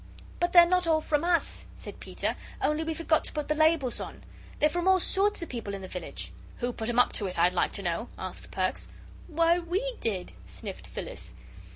"But they're not all from us " said Peter, "only we forgot to put the labels on. They're from all sorts of people in the village." "Who put 'em up to it, I'd like to know?" asked Perks. "Why, we did," sniffed Phyllis.